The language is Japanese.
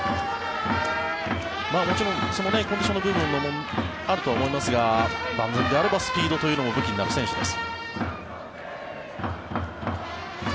もちろんコンディションの部分もあると思いますが万全であればスピードというのも武器になる選手です。